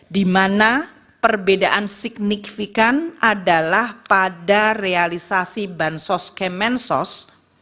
di mana perbedaan signifikan adalah pada realisasi bansos kemensos